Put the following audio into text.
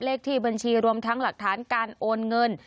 เลขที่บัญชีรวมทั้งหลักฐานการโอนเงิน